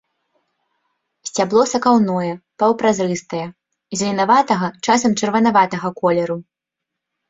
Сцябло сакаўное, паўпразрыстае, зеленаватага, часам чырванаватага колеру.